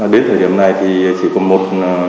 đến thời điểm này thì chỉ có một